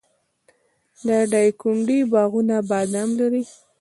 د دایکنډي باغونه بادام لري.